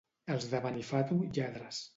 Els de Benifato, lladres.